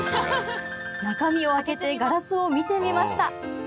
中身をあけてガラスを見てみました